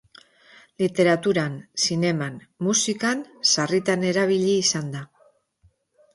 Literaturan, zineman, musikan, sarritan erabili izan da.